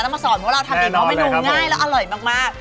ต้องมาสอนเพราะว่าเราทำเองก็เป็นดูง่ายแล้วอร่อยมาก